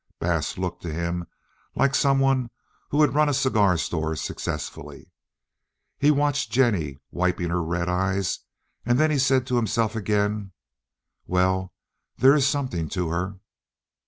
Bass looked to him like some one who would run a cigar store successfully. He watched Jennie wiping her red eyes, and then he said to himself again, "Well, there is something to her."